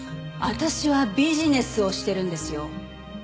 私はビジネスをしてるんですよ。